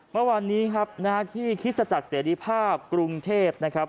เมื่อวานนี้ครับที่ศิษยาจักรเสดีภาพกรุงเทพนะครับ